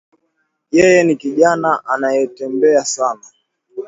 Yeye ni kijana anayetembea sana